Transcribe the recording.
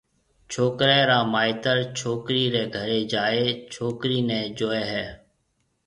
ڇوڪري را مائيتر ڇوڪرِي ريَ گھري جائيَ ڇوڪرِي نيَ جوئي ھيَََ